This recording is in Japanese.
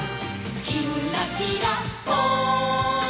「きんらきらぽん」